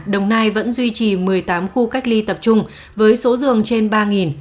đồng nai vẫn duy trì một mươi tám khu cách ly tập trung với số giường trên ba